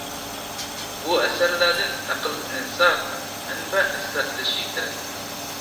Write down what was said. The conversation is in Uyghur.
بۇ ئەسەرلەردىن نەقىل ئېلىنسا، مەنبە ئەسكەرتىلىشى كېرەك.